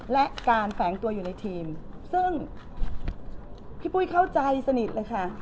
และการแฝงตัวอยู่ในทีมซึ่งพี่ปุ้ยเข้าใจสนิทเลยค่ะ